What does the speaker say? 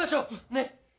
ねっ？